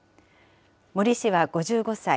森氏は５５歳。